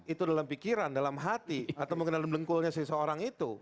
itu dalam pikiran dalam hati atau mungkin dalam bengkulnya seseorang itu